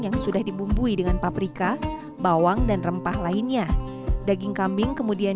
yang sudah dibumbui dengan paprika bawang dan rempah lainnya daging kambing kemudian